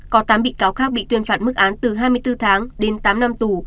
có tám bị cáo khác bị tuyên phạt mức án từ hai mươi bốn tháng đến tám năm tù